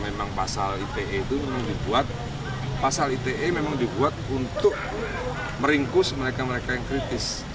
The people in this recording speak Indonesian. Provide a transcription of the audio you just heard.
memang pasal ite itu memang dibuat untuk meringkus mereka mereka yang kritis